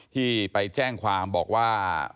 ที่ไปแจ้งความบอกว่า